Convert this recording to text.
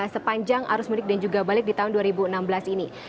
sepanjang arus mudik dan juga balik di tahun dua ribu enam belas ini